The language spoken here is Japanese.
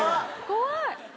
怖い！